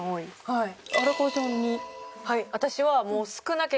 はい私は。